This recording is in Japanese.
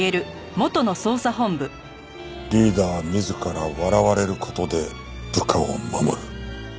リーダー自ら笑われる事で部下を守る。